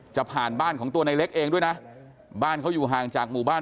จะผ่านบ้านของตัวในเล็กเองด้วยนะบ้านเขาอยู่ห่างจากหมู่บ้าน